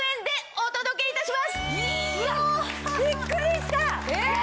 びっくりした！